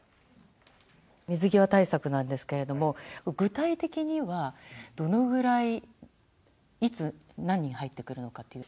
水際対策なんですけれども、具体的には、どのぐらい、いつ、何人入ってくるのかっていう。